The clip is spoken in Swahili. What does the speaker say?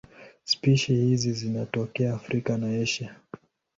Spishi hizi zinatokea Afrika na Asia.